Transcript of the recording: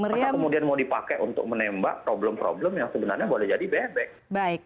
maka kemudian mau dipakai untuk menembak problem problem yang sebenarnya boleh jadi bebek